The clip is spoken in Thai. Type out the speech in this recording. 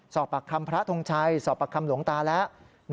สอบปากคำพระทงชัยสอบปากคำหลวงตาแล้ว